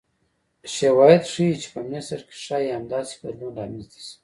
شواهد ښیي چې په مصر کې ښایي همداسې بدلون رامنځته شي.